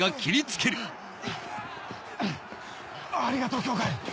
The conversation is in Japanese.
ありがとう羌。